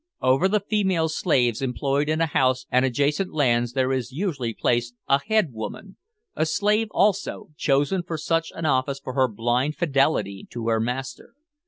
Over the female slaves employed in a house and adjacent lands there is usually placed a head woman, a slave also, chosen for such an office for her blind fidelity to her master.